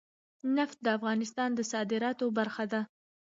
نفت د افغانستان د صادراتو برخه ده.